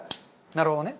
なるほどね。